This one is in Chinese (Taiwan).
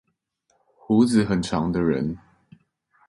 鬍子很長的人